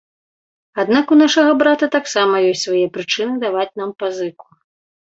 Аднак у нашага брата таксама ёсць свае прычыны даваць нам пазыку.